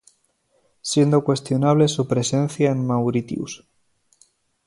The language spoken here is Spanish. Siendo cuestionable su presencia en Mauritius.